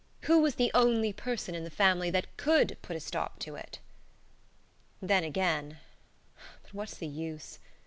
Who was the only person in the family that COULD put a stop to it? Then again but what's the use?